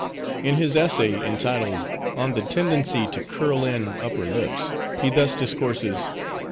In his essay, entitled,—"On the Tendency to curl in Upper Lips," he thus discourses.